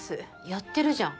やってるじゃん。